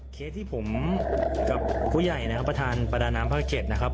เคสที่ผมกับผู้ใหญ่นะครับประธานประดาน้ำภาค๗นะครับ